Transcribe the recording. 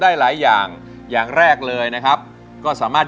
แทบจะไม่เคยฟังเลยครับแทบจะไม่เคยฟังเลยครับแทบจะไม่เคยฟังเลยครับ